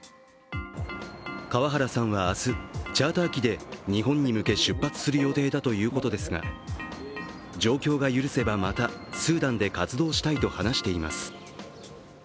川原さんは明日、チャーター機で日本に向け出発する予定だということですが状況が許せば、またスーダンで活動したいと話しています。